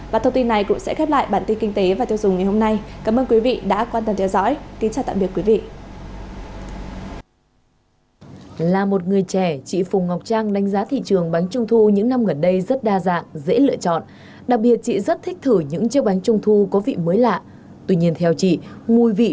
và thông tin này cũng sẽ khép lại bản tin kinh tế và tiêu dùng ngày hôm nay cảm ơn quý vị đã quan tâm theo dõi kính chào tạm biệt quý vị